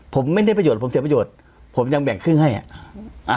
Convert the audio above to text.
ผมไม่ได้ประโยชน์ผมเสียประโยชน์ผมยังแบ่งครึ่งให้อ่ะ